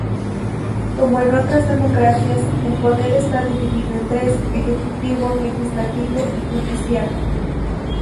Como en otras democracias, el poder está dividido en tres: ejecutivo, legislativo y judicial.